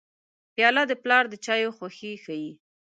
پیاله د پلار د چایو خوښي ښيي.